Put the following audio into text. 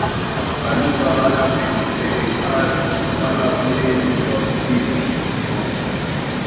Baluba bana pendaka sana buyi bwa mpwiti